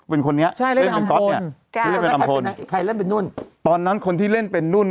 เป็นคนนี้ใช่เล่นเป็นใครเล่นเป็นนู่นตอนนั้นคนที่เล่นเป็นนู่น